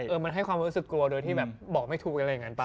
มันให้ความรู้สึกกลัวโดยที่แบบบอกไม่ถูกอะไรอย่างนั้นป่